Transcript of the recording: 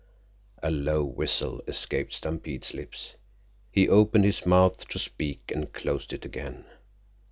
A low whistle escaped Stampede's lips. He opened his mouth to speak and closed it again.